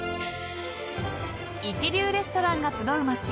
［一流レストランが集う街